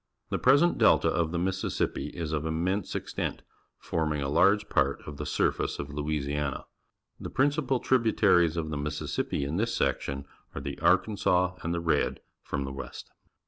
The present delta of the Mississippi is of immense extent, forming a large part of the THE UNITED STATES 129 surface of Louisiana. The principal tribu taries of the Mississippi in this section are the Arli ansas a n d the R ed from the west.